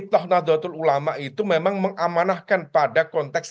nahdlatul ulama itu memang mengamanahkan pada konteks